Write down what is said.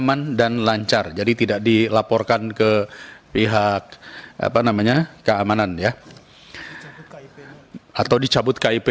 lima mendesak kementerian kementerian kementerian tristek ri untuk menetapkan ptn menetapkan satuan biaya operasional pendidikan tinggi